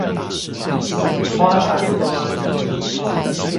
花壇端